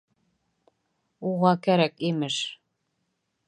Уға кәрәк, имеш!